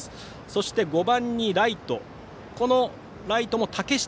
そして５番にライト、嶽下。